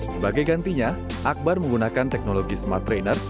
sebagai gantinya akbar menggunakan teknologi smart trainer